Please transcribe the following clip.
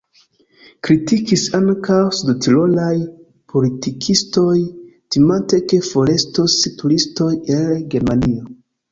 Kritikis ankaŭ sudtirolaj politikistoj, timante, ke forestos turistoj el Germanio.